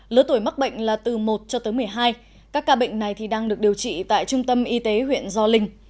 lứa tuổi mắc bệnh là từ một cho tới một mươi hai các ca bệnh này đang được điều trị tại trung tâm y tế huyện gio linh